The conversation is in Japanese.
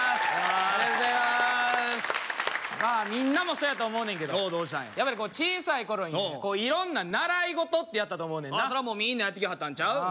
みんなもそうやと思うねんけどおうどうしたんややっぱり小さい頃にね色んな習い事ってやったと思うねんなそらみんなやってきはったんちゃう？